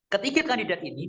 ketika kandidat ini